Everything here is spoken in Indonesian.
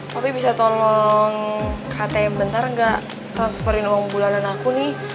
tapi bisa tolong ktm bentar gak transferin uang bulanan aku nih